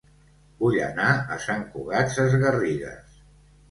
Vull anar a Sant Cugat Sesgarrigues